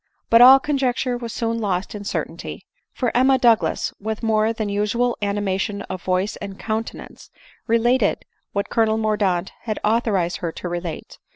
But all conjecture was soon lost in cer tainty ; for Emma Douglas, with more than usual anima tion of voice and countenance, related what Colonel Mordaunt had authorized her to relate